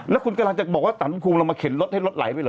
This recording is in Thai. แล้วคุณกำลังจะบอกว่าสารพระภูมิเรามาเข็นรถให้รถไหลไปเห